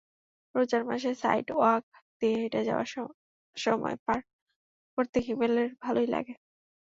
রোজার মাসে সাইড-ওয়াক দিয়ে হেঁটে সময় পার করতে হিমেলের ভালোই লাগে।